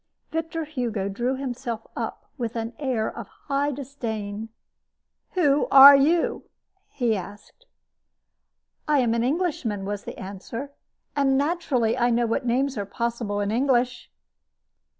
Victor Hugo drew himself up with an air of high disdain. "Who are you?" asked he. "I am an Englishman," was the answer, "and naturally I know what names are possible in English."